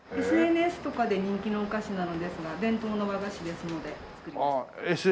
ＳＮＳとかで人気のお菓子なのですが伝統の和菓子ですので作りました。